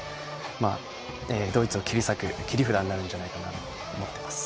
ドイツを切り裂く切り札になるんじゃないかと思います。